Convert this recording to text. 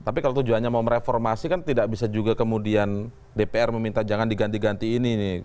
tapi kalau tujuannya mau mereformasi kan tidak bisa juga kemudian dpr meminta jangan diganti ganti ini nih